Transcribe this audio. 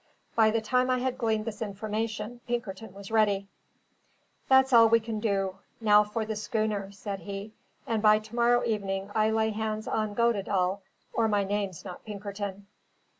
By the time I had gleaned this information, Pinkerton was ready. "That's all that we can do. Now for the schooner," said he; "and by to morrow evening I lay hands on Goddedaal, or my name's not Pinkerton."